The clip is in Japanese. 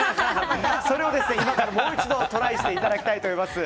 今からもう一度トライしていただきたいと思います。